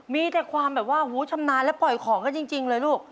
มีแต่ความแบบว่าหูชำนาญและปล่อยของกันจริงเลยลูก